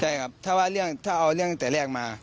ใช่ครับถ้าว่าถ้าเอาเรื่องตั้งแต่แรกมา